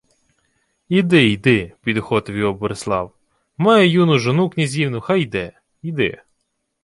— Іди, йди, — підохотив його Борислав. — Має юну жону-князівну, хай іде. Йди...